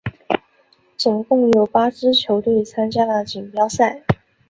总共有八支球队参加了锦标赛。